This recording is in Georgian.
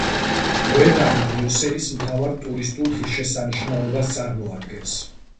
მოედანი ბრიუსელის მთავარ ტურისტულ ღირსშესანიშნაობას წარმოადგენს.